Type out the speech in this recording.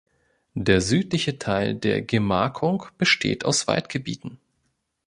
Der südliche Teil der Gemarkung besteht aus Waldgebieten.